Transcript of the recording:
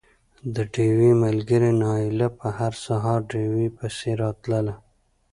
د ډېوې ملګرې نايله به هر سهار ډېوې پسې راتله